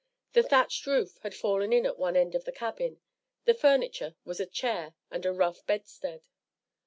The thatched roof had fallen in at one end of the cabin. The furniture was a chair and a rough bedstead.